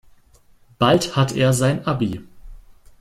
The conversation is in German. Bald hat er sein Abi.